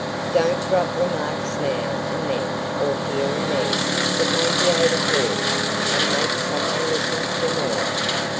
Don't drop remarks now and then or here and there that may be overheard and make someone listen for more.